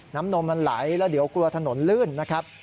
นมมันไหลแล้วเดี๋ยวกลัวถนนลื่นนะครับ